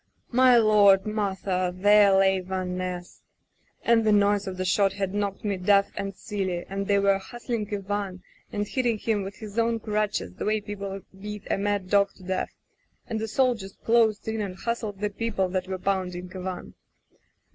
... "My Lord! Martha! There lay Van Ness ... and the noise of the shot had knocked me deaf and silly, and they were hustling Ivan and hitting him with his own crutches the way people beat a mad dog to death, and the soldiers closed in and hustled the people that were pounding Ivan.